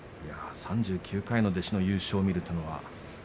３９回の弟子の優勝を見られたというのは？